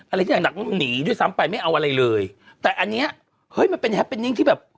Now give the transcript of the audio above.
อะไรที่หนักหนีด้วยซ้ำไปไม่เอาอะไรเลยแต่อันเนี้ยเฮ้ยมันเป็นที่แบบ